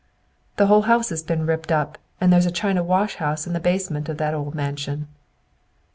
"The whole house has been ripped up and there's a China wash house in the basement of that old mansion."